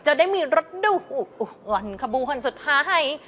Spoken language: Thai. จะได้มีระดูกอ่อนขบูหันสุดท้าย